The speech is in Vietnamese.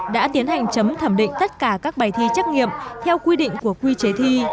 đã tiến hành chấm thẩm định tất cả các bài thi trắc nghiệm theo quy định của quy chế thi